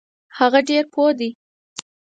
هغه ډیر پوه دی.